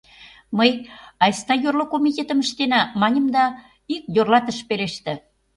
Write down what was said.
Мый, айста йорло комитетым ыштена, маньым, да ик йорлат ыш пелеште...